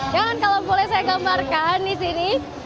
dan kalau boleh saya gambarkan di sini